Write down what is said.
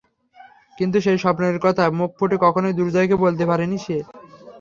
কিন্তু সেই স্বপ্নের কথা মুখ ফুটে কখেনোই দুর্জয়কে বলতে পারেনি সে।